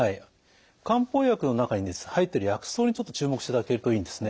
漢方薬の中に入っている薬草にちょっと注目していただけるといいんですね。